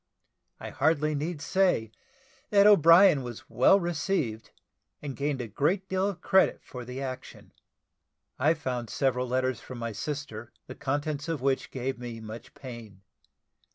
I hardly need say that O'Brien was well received, and gained a great deal of credit for the action. I found several letters from my sister, the contents of which gave me much pain.